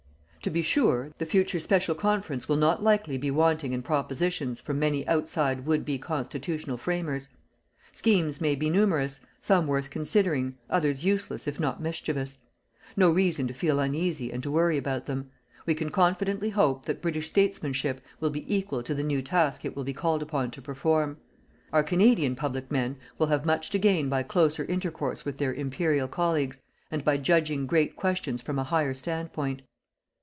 To be sure, the future special Conference will not likely be wanting in propositions from many outside would be constitutional framers. Schemes may be numerous, some worth considering, others useless if not mischievous. No reason to feel uneasy and to worry about them. We can confidently hope that British statesmanship will be equal to the new task it will be called upon to perform. Our Canadian public men will have much to gain by closer intercourse with their Imperial colleagues, and by judging great questions from a higher standpoint.